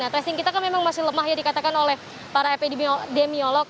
testing kita kan memang masih lemah ya dikatakan oleh para epidemiolog